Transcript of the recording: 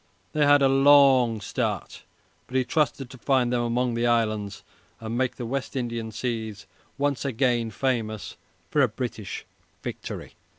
They had a long start, but he trusted to find them among the islands and make the West Indian seas once more famous for a great British victory.